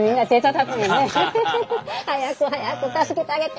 「早く早く助けてあげて！」